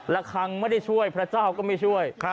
ละครั้งไม่ได้ช่วยพระเจ้าก็ไม่ช่วย